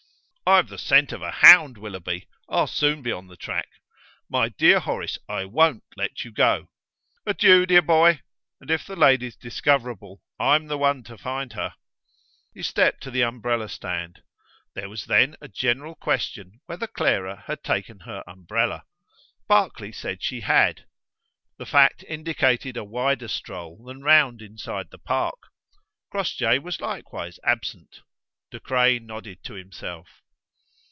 "I've the scent of a hound, Willoughby; I'll soon be on the track." "My dear Horace, I won't let you go." "Adieu, dear boy! and if the lady's discoverable, I'm the one to find her." He stepped to the umbrella stand. There was then a general question whether Clara had taken her umbrella. Barclay said she had. The fact indicated a wider stroll than round inside the park: Crossjay was likewise absent. De Craye nodded to himself.